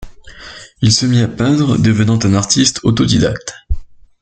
Il se mit à peindre, devenant un artiste autodidacte.